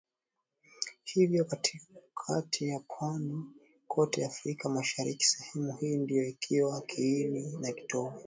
Hivyo katika pwani yote ya Afrika mashariki sehemu hii ndio ikawa kiini na kitovu